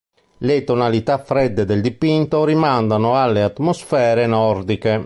Le tonalità fredde del dipinto rimandano alle atmosfere nordiche.